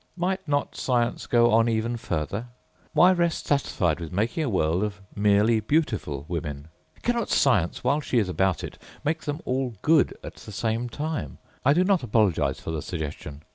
Might not Science go even further? Why rest satisfied with making a world of merely beautiful women? Cannot Science, while she is about it, make them all good at the same time. I do not apologise for the suggestion.